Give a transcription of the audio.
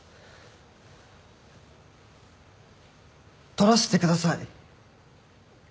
撮らせてください。